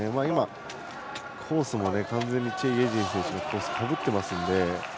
コースも完全にチェ・イェジン選手のコースかぶっていますので。